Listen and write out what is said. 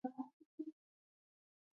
افغانستان د آمو سیند په اړه علمي څېړنې لري.